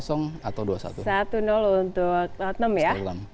satu untuk tottenham ya